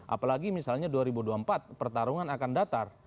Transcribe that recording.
apalagi misalnya dua ribu dua puluh empat pertarungan akan datar